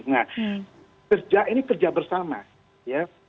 nah ini kerja bersama ya